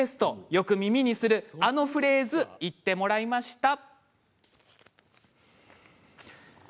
よく耳にするあのフレーズ言ってもらいました。